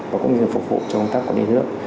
và cũng như là phục vụ cho công tác quản lý nước